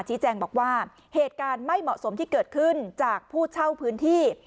แจ้งบอกว่าเหตุการณ์ไม่เหมาะสมที่เกิดขึ้นจากผู้เช่าพื้นที่